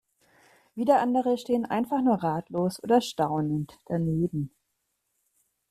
Wieder andere stehen einfach nur ratlos oder staunend daneben.